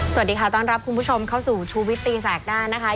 สวัสดีค่ะต้อนรับคุณผู้ชมเข้าสู่ชูวิตตีแสกหน้านะคะ